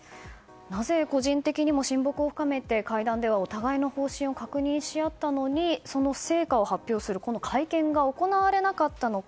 なぜ、個人的にも親睦を深めて会談ではお互いの方針を確認し合ったのにその成果を発表する会見が行われなかったのか。